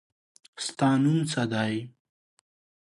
ستا نوم څه دی؟